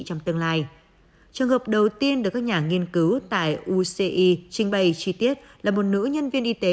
trong tương lai trường hợp đầu tiên được các nhà nghiên cứu tại uci trình bày chi tiết là một nữ nhân viên y tế